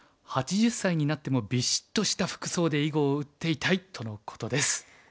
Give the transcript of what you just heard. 「８０歳になってもビシッとした服装で囲碁を打っていたい」とのことです。